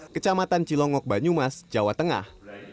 kecamatan cilongok banyumas jawa tengah